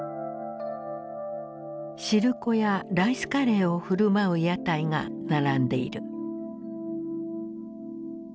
汁粉やライスカレーを振る舞う屋台が並んでいる。